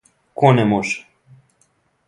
Ко не може?